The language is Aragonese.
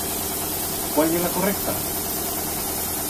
Cuál ye la correcta?